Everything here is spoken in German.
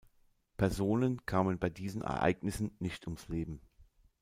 Personen kamen bei diesen Ereignissen nicht ums Leben.